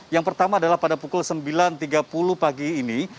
yang pertama adalah pada pukul sembilan tiga puluh pagi ini